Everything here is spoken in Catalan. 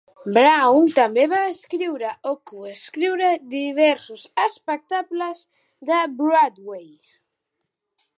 Brown també va escriure o coescriure diversos espectables de Broadway.